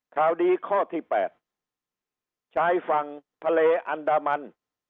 ข่าวดีข้อที่๘ชายฝั่งทะเลอันดามัน